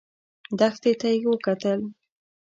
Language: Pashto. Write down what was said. دښتې ته يې وکتل.